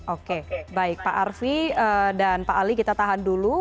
oke baik pak arfi dan pak ali kita tahan dulu